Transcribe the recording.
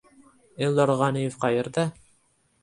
Elyor G‘aniyev qayerda?